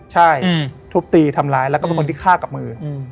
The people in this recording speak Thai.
ใช่ทุบตีทำร้ายแล้วก็เป็นคนที่ฆ่ากับมือ